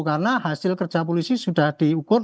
karena hasil kerja polisi sudah diukur